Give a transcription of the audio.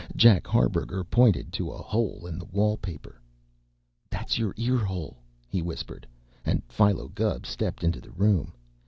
Jack Harburger pointed to a hole in the wall paper. "That's your ear hole," he whispered, and Philo Gubb stepped into the room.